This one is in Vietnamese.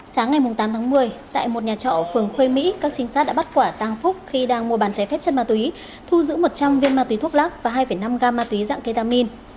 sáng ngày tám tháng một mươi tại một nhà trọ ở phường khuê mỹ các trinh sát đã bắt quả tàng phúc khi đang mua bán trái phép chất ma túy thu giữ một trăm linh viên ma túy thuốc lắc và hai năm gam ma túy dạng ketamin